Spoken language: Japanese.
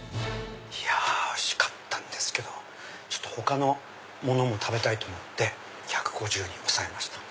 いやおいしかったんですけど他のものも食べたいと思って１５０に抑えました。